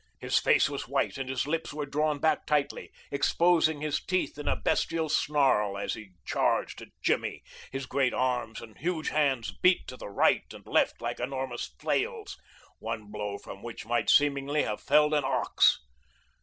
His face was white and his lips were drawn back tightly, exposing his teeth in a bestial snarl as he charged at Jimmy. His great arms and huge hands beat to the right and left like enormous flails, one blow from which might seemingly have felled an ox.